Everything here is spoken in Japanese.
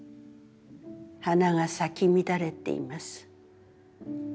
花が咲き乱れています。